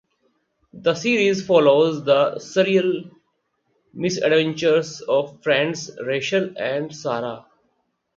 The series follows the surreal misadventures of friends Rachel and Sarah.